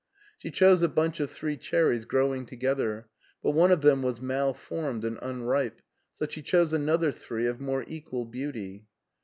She chose a bunch of three cherries growing together, but one of them was malformed and unripe, so she chose another three of more equal beauty.